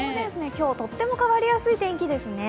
今日、とっても変わりやすい天気ですね。